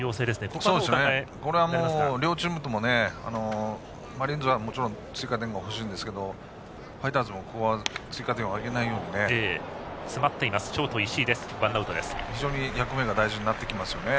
これは両チームともマリーンズはもちろん追加点は欲しいんですがファイターズも追加点をあげないようにね。